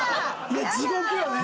地獄よね。